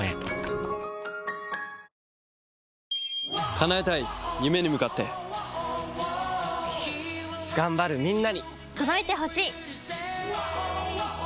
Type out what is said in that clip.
叶えたい夢に向かって頑張るみんなに届いてほしい！